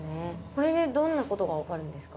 これでどんなことが分かるんですか？